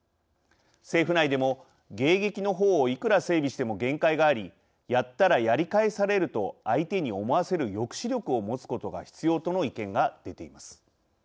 政府内でも「迎撃のほうをいくら整備しても限界がありやったらやり返されると相手に思わせる抑止力を持つことが必要」との意見が出ています。